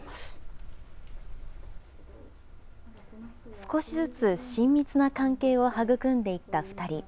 少しずつ、親密な関係を育んでいった２人。